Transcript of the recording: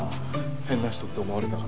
変な人って思われたかな。